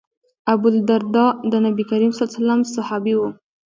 ابوالدرداء د نبي کریم ص صحابي و.